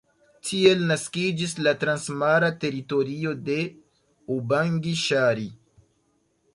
Tiel naskiĝis la Transmara Teritorio de Ubangi-Ŝari.